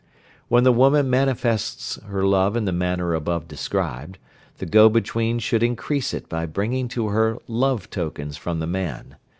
When the woman manifests her love in the manner above described, the go between should increase it by bringing to her love tokens from the man.